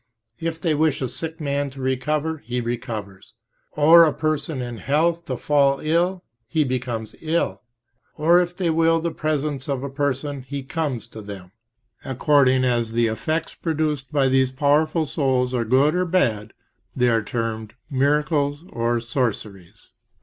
If {p. 27} they wish a sick man to recover he recovers, or a person in health to fall ill he becomes ill, or if they will the presence of a person he comes to them. According as the effects produced by these powerful souls are good or bad they are termed miracles or sorceries.